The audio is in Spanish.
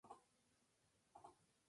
nosotros bebemos